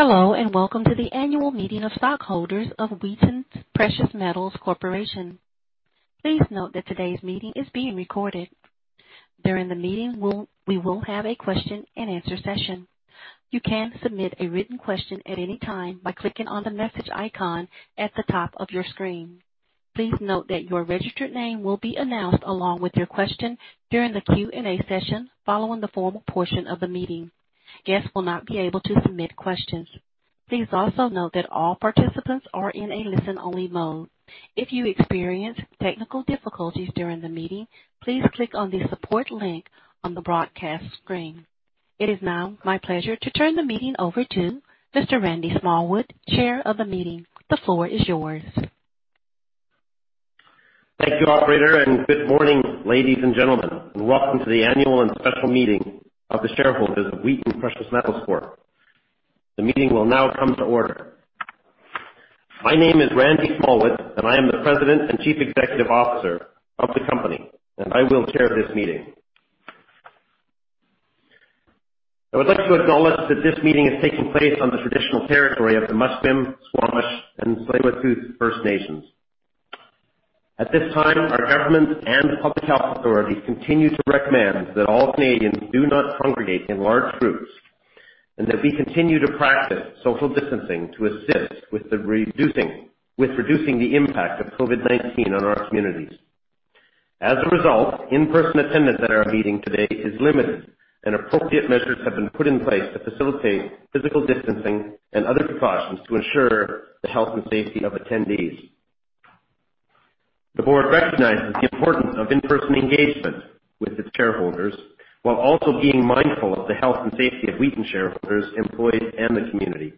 Hello, welcome to the annual meeting of stockholders of Wheaton Precious Metals Corp. Please note that today's meeting is being recorded. During the meeting, we will have a question and answer session. You can submit a written question at any time by clicking on the message icon at the top of your screen. Please note that your registered name will be announced along with your question during the Q&A session following the formal portion of the meeting. Guests will not be able to submit questions. Please also note that all participants are in a listen-only mode. If you experience technical difficulties during the meeting, please click on the support link on the broadcast screen. It is now my pleasure to turn the meeting over to Mr. Randy Smallwood, Chair of the meeting. The floor is yours. Thank you, operator, and good morning, ladies and gentlemen, and welcome to the annual and special meeting of the shareholders of Wheaton Precious Metals Corp. The meeting will now come to order. My name is Randy Smallwood, and I am the President and Chief Executive Officer of the company, and I will chair this meeting. I would like to acknowledge that this meeting is taking place on the traditional territory of the Musqueam, Squamish, and Tsleil-Waututh First Nations. At this time, our government and public health authorities continue to recommend that all Canadians do not congregate in large groups and that we continue to practice social distancing to assist with reducing the impact of COVID-19 on our communities. As a result, in-person attendance at our meeting today is limited, and appropriate measures have been put in place to facilitate physical distancing and other precautions to assure the health and safety of attendees. The board recognizes the importance of in-person engagement with its shareholders while also being mindful of the health and safety of Wheaton shareholders, employees, and the community.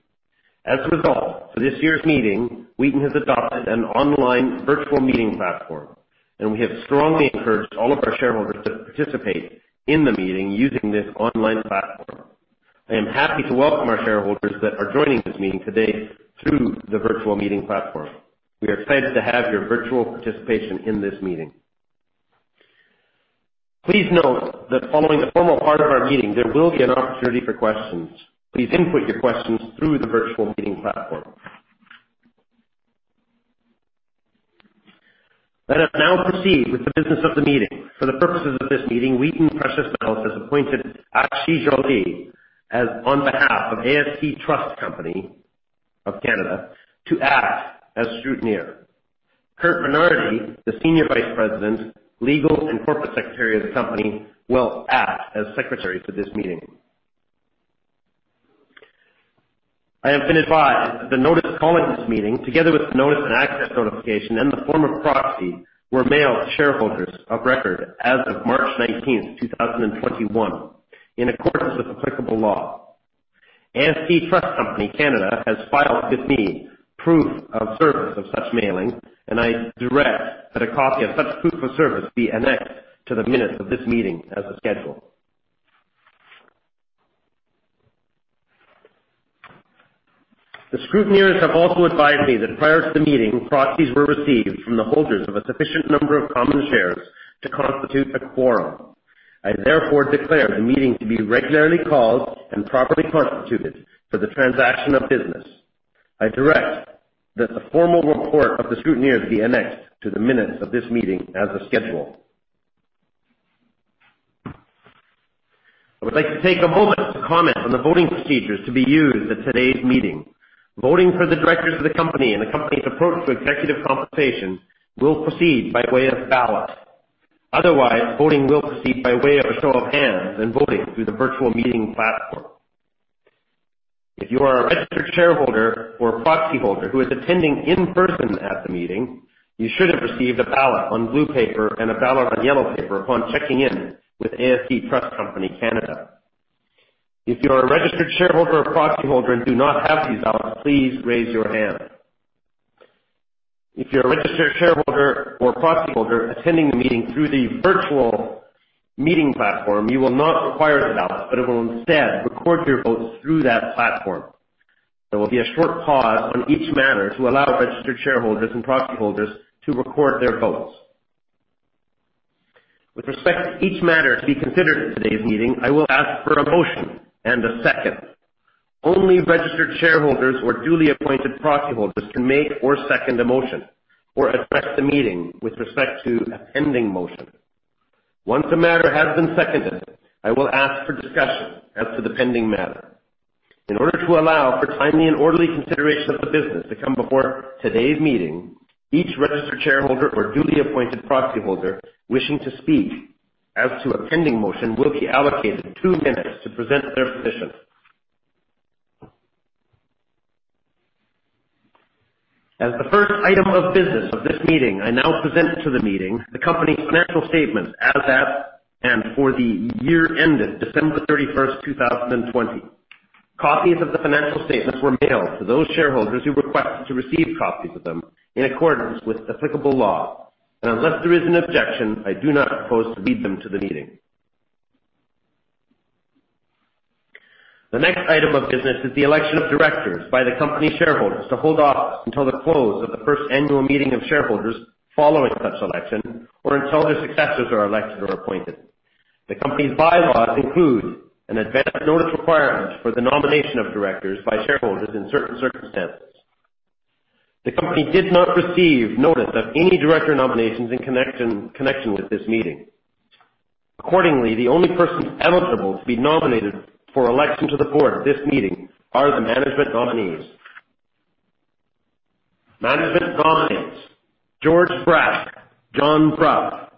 As a result, for this year's meeting, Wheaton has adopted an online virtual meeting platform, and we have strongly encouraged all of our shareholders to participate in the meeting using this online platform. I am happy to welcome our shareholders that are joining this meeting today through the virtual meeting platform. We are pleased to have your virtual participation in this meeting. Please note that following the formal part of our meeting, there will be an opportunity for questions. Please input your questions through the virtual meeting platform. Let us now proceed with the business of the meeting. For the purposes of this meeting, Wheaton Precious Metals has appointed Asheesh Joshi on behalf of AST Trust Company of Canada to act as scrutineer. Curt Bernardi, the Senior Vice President, Legal and Corporate Secretary of the company, will act as secretary for this meeting. I have been advised that the notice calling this meeting, together with the notice-and-access notification and the form of proxy, were mailed to shareholders of record as of March 19th, 2021, in accordance with applicable law. AST Trust Company (Canada) has filed with me proof of service of such mailing, and I direct that a copy of such proof of service be annexed to the minutes of this meeting as a schedule. The scrutineers have also advised me that prior to the meeting, proxies were received from the holders of a sufficient number of common shares to constitute a quorum. I therefore declare the meeting to be regularly called and properly constituted for the transaction of business. I direct that the formal report of the scrutineers be annexed to the minutes of this meeting as a schedule. I would like to take a moment to comment on the voting procedures to be used at today's meeting. Voting for the directors of the company and accompanying proposed executive compensation will proceed by way of ballot. Otherwise, voting will proceed by way of a show of hands and voting through the virtual meeting platform. If you are a registered shareholder or proxy holder who is attending in person at the meeting, you should have received a ballot on blue paper and a ballot on yellow paper upon checking in with AST Trust Company (Canada). If you are a registered shareholder or proxy holder and do not have these ballots, please raise your hand. If you're a registered shareholder or proxy holder attending the meeting through the virtual meeting platform, you will not require the ballots, but will instead record your votes through that platform. There will be a short pause on each matter to allow registered shareholders and proxy holders to record their votes. With respect to each matter to be considered at today's meeting, I will ask for a motion and a second. Only registered shareholders or duly appointed proxy holders can make or second a motion or address the meeting with respect to a pending motion. Once a matter has been seconded, I will ask for discussion as to the pending matter. In order to allow for timely and orderly consideration of the business to come before today's meeting, each registered shareholder or duly appointed proxy holder wishing to speak as to a pending motion will be allocated two minutes to present their position. As the first item of business of this meeting, I now present to the meeting the company's financial statements as at and for the year ended December 31st, 2020. Copies of the financial statements were mailed to those shareholders who requested to receive copies of them in accordance with applicable law. Now, unless there is an objection, I do not propose to read them to the meeting. The next item of business is the election of directors by the company shareholders to hold office until the close of the first annual meeting of shareholders following such election, or until their successors are elected or appointed. The company's bylaws include an advanced notice requirement for the nomination of directors by shareholders in certain circumstances. The company did not receive notice of any director nominations in connection with this meeting. Accordingly, the only persons eligible to be nominated for election to the board at this meeting are the management nominees. Management nominees, George Brack, John Brough,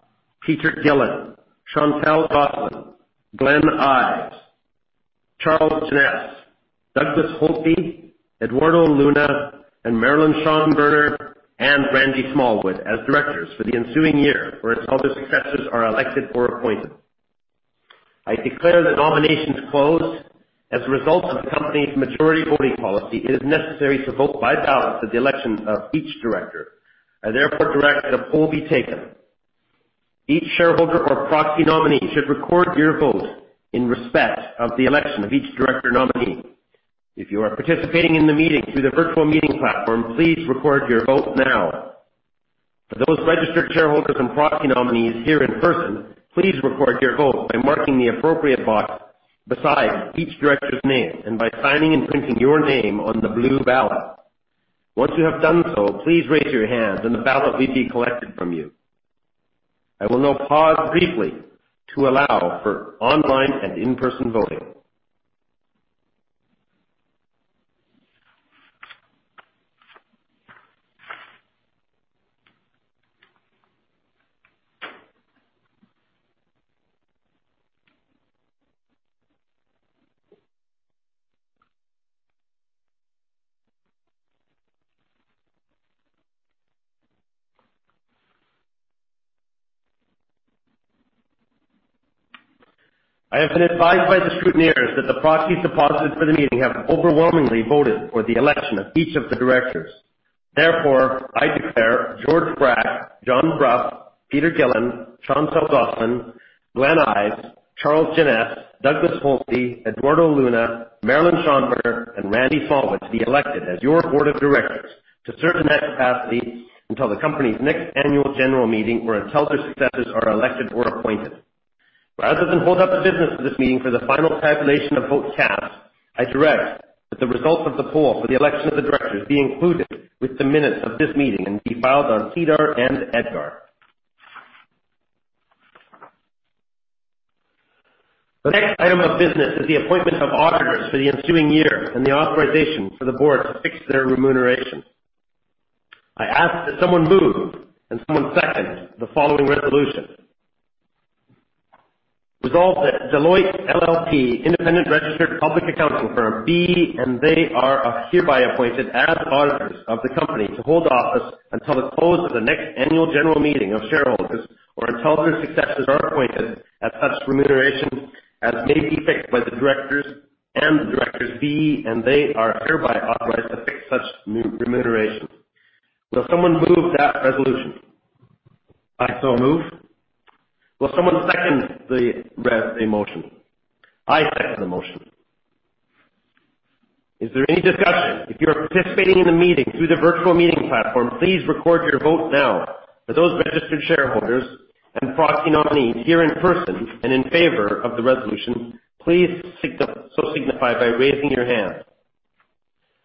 Peter Gillin, Chantal Gosselin, Glenn Ives, Charles Jeannes, Douglas Holtby, Eduardo Luna, and Marilyn Schonberner, and Randy Smallwood as directors for the ensuing year whereas held in successors are elected or appointed. I declare the nominations closed. As a result of the company's majority voting policy, it is necessary to vote by ballot for the election of each director, and therefore a direct poll will be taken. Each shareholder or proxy nominee should record your vote in respect of the election of each director nominee. If you are participating in the meeting through the virtual meeting platform, please record your vote now. For those registered shareholders and proxy nominees here in person, please record your vote by marking the appropriate box beside each director's name and by signing and printing your name on the blue ballot. Once you have done so, please raise your hand, and the ballot will be collected from you. I will now pause briefly to allow for online and in-person voting. I have been advised by the scrutineers that the proxy deposits for the meeting have overwhelmingly voted for the election of each of the directors. Therefore, I declare George Brack, John Brough, Peter Gillin, Chantal Gosselin, Glenn Ives, Charles Jeannes, Douglas M. Holtby, Eduardo Luna, Marilyn Schonberner, and Randy Smallwood to be elected as your board of directors to serve in that capacity until the company's next annual general meeting, or until their successors are elected or appointed. Rather than hold up the business of this meeting for the final tabulation of votes cast, I direct that the result of the poll for the election of the directors be included with the minutes of this meeting and be filed on SEDAR and EDGAR. The next item of business is the appointment of auditors for the ensuing year and the authorization for the board to fix their remuneration. I ask that someone move and someone second the following resolution. Resolved that Deloitte LLP, independent registered public accounting firm, be and they are hereby appointed as auditors of the company to hold office until the close of the next annual general meeting of shareholders, or until their successors are appointed at such remuneration as may be fixed by the directors and the directors be and they are hereby authorized to fix such remuneration. Will someone move that resolution? I so move. Will someone second the motion? I second the motion. Is there any discussion? If you are participating in the meeting through the virtual meeting platform, please record your vote now. For those registered shareholders and proxy nominees here in person and in favor of the resolution, please so signify by raising your hand.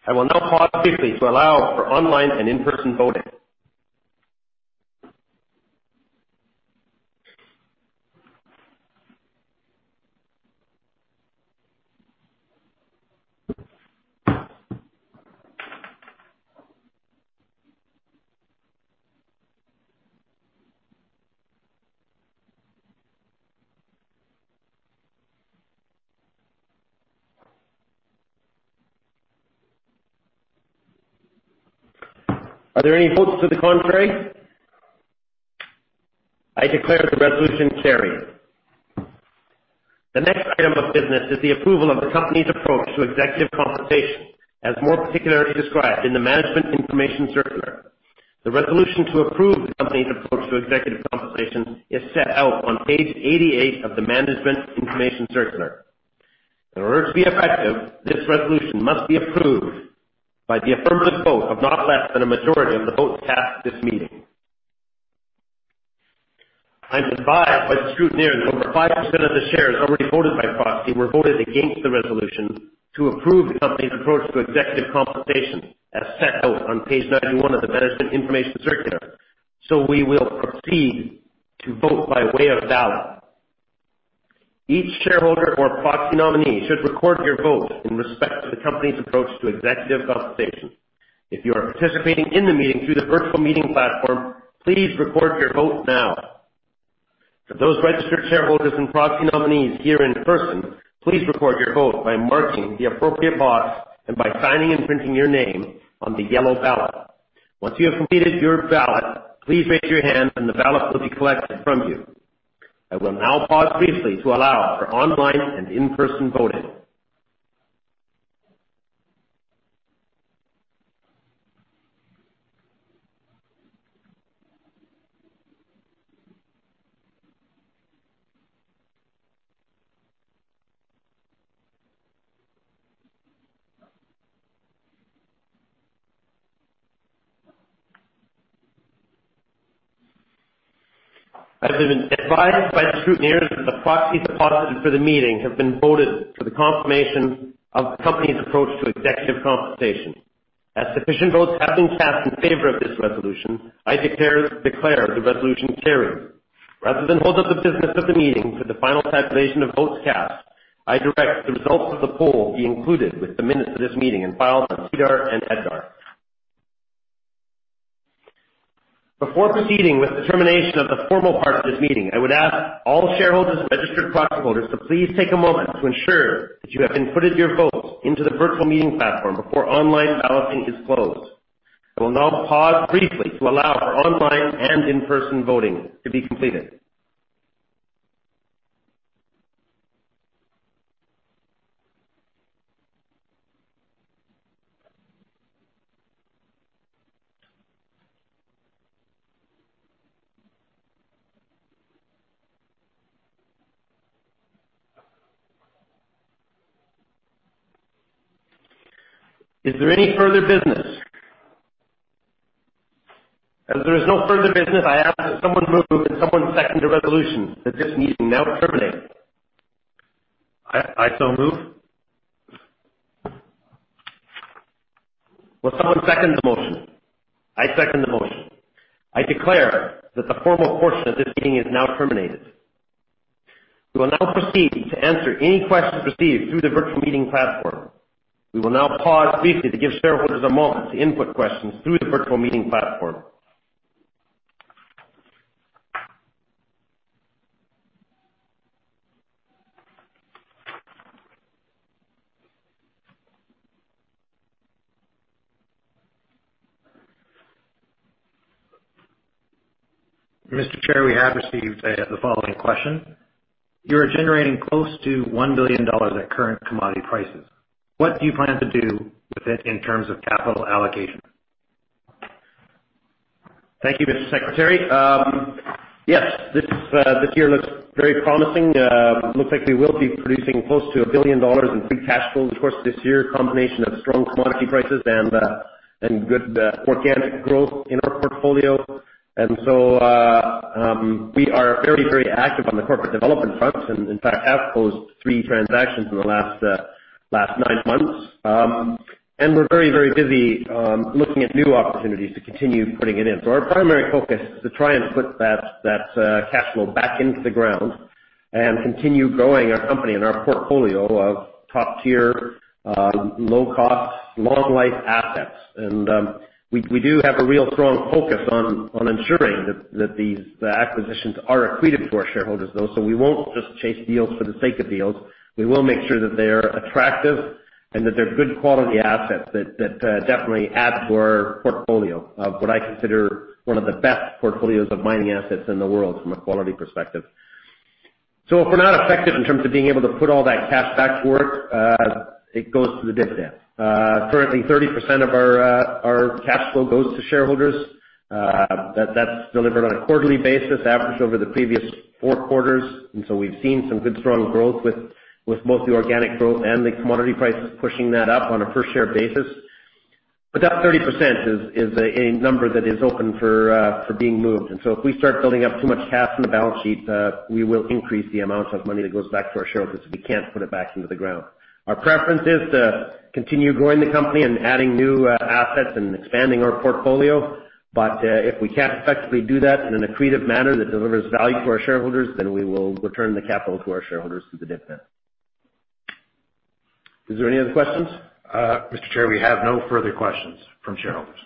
I will now pause briefly to allow for online and in-person voting. Are there any votes to the contrary? I declare the resolution carried. The next item of business is the approval of the company's approach to executive compensation, as more particularly described in the management information circular. The resolution to approve the company's approach to executive compensation is set out on page 88 of the management information circular. In order to be effective, this resolution must be approved by the affirmative vote of not less than a majority of the votes cast at this meeting. I am advised by the scrutineers that over 5% of the shares already voted by proxy were voted against the resolution to approve the company's approach to executive compensation as set out on page 91 of the management information circular. We will proceed to vote by way of ballot. Each shareholder or proxy nominee should record your vote in respect to the company's approach to executive compensation. If you are participating in the meeting through the virtual meeting platform, please record your vote now. For those registered shareholders and proxy nominees here in person, please record your vote by marking the appropriate box and by signing and printing your name on the yellow ballot. Once you have completed your ballot, please raise your hand, and the ballot will be collected from you. I will now pause briefly to allow for online and in-person voting. Presently advised by the scrutineers that the proxies deposited for the meeting have been voted for the confirmation of the company's approach to executive compensation. As sufficient votes have been cast in favor of this resolution, I declare the resolution carried. Rather than hold up the business of the meeting for the final tabulation of votes cast, I direct the results of the poll be included with the minutes of this meeting and filed with SEDAR and EDGAR. Before proceeding with the termination of the formal part of this meeting, I would ask all shareholders and registered proxy voters to please take a moment to ensure that you have inputted your vote into the virtual meeting platform before online balloting is closed. I will now pause briefly to allow for online and in-person voting to be completed. Is there any further business? As there is no further business, I ask that someone move and someone second the resolution that this meeting now terminate. I so move. Will someone second the motion? I second the motion. I declare that the formal portion of this meeting is now terminated. We will now proceed to answer any questions received through the virtual meeting platform. We will now pause briefly to give shareholders a moment to input questions through the virtual meeting platform. Mr. Chair, we have received the following question. You are generating close to $1 billion at current commodity prices. What do you plan to do with it in terms of capital allocation? Thank you, Mr. Secretary. Yes, this year looks very promising. It looks like we will be producing close to $1 billion in free cash flow in the course of this year, a combination of strong commodity prices and good organic growth in our portfolio. We are very, very active on the corporate development front. In fact, we closed three transactions in the last nine months. We're very, very busy looking at new opportunities to continue putting it in. Our primary focus is to try and put that cash flow back into the ground and continue growing our company and our portfolio of top-tier, low-cost, long-life assets. We do have a real strong focus on ensuring that these acquisitions are accretive to our shareholders, though. We won't just chase deals for the sake of deals. We will make sure that they are attractive and that they're good quality assets that definitely add to our portfolio of what I consider one of the best portfolios of mining assets in the world from a quality perspective. If we're not effective in terms of being able to put all that cash back to work, it goes to the dividend. Currently, 30% of our cash flow goes to shareholders. That's delivered on a quarterly basis, averaged over the previous four quarters. We've seen some good strong growth with mostly organic growth and the commodity prices pushing that up on a per share basis. That 30% is a number that is open for being moved. If we start building up too much cash on the balance sheet, we will increase the amount of money that goes back to our shareholders if we can't put it back into the ground. Our preference is to continue growing the company and adding new assets and expanding our portfolio. If we can't effectively do that in an accretive manner that delivers value to our shareholders, then we will return the capital to our shareholders through the dividend. Is there any other questions? Mr. Chair, we have no further questions from shareholders.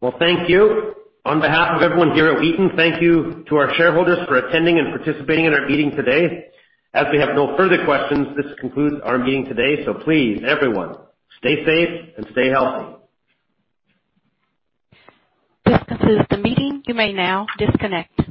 Well, thank you. On behalf of everyone here at Wheaton, thank you to our shareholders for attending and participating in our meeting today. As we have no further questions, this concludes our meeting today. Please, everyone, stay safe and stay healthy. This concludes the meeting. You may now disconnect.